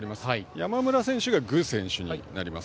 山村さんが具選手になります。